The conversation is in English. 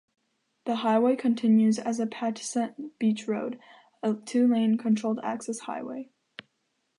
The highway continues as Patuxent Beach Road, a two-lane controlled-access highway.